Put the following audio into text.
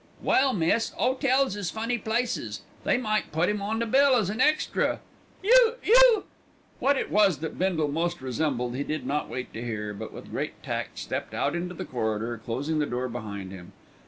"Well, miss, 'otels is funny places. They might put 'im on the bill as a extra." "You you " What it was that Bindle most resembled he did not wait to hear, but with great tact stepped out into the corridor, closing the door behind him.